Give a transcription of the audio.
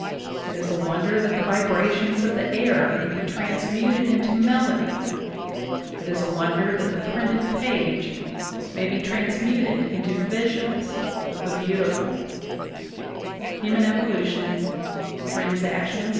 It is a wonder that the vibrations of the air may be transmuted into melody It is a wonder that the printed page may be transmuted into visions of the beautiful" (Human Evolution, Trans.